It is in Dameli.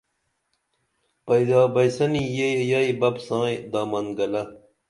پیدا بئسنی یہ ییئی بپ سائیں دامن گلہ